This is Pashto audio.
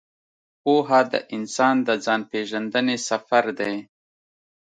پوهه د انسان د ځان پېژندنې سفر دی.